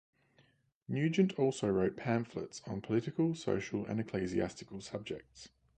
Nugent also wrote pamphlets on political, social, and ecclesiastical subjects.